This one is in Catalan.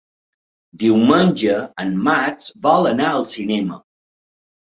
Diumenge en Max vol anar al cinema.